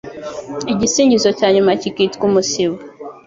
Igisingizo cya nyuma kikitwa umusibo